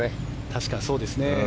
確かにそうですね。